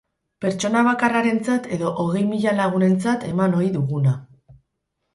Pertsona bakarrarentzat edo hogei mila lagunentzat eman ohi duguna.